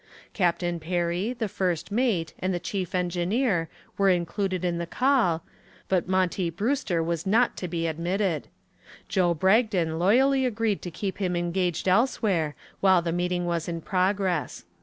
Captain Perry, the first mate, and the chief engineer were included in the call, but Montgomery Brewster was not to be admitted. Joe Bragdon loyally agreed to keep him engaged elsewhere while the meeting was in progress.